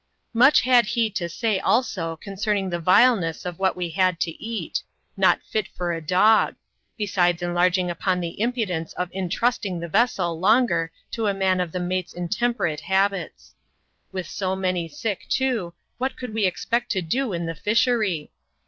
Much had he to say also concerning the vileness of what we had to eat — not fit for a dog ; besides enlarging upon the im prudence of intrusting the vessel longer to a man of the mate's intemperate habits. With so many sick, too, what could we expect to do in the fishery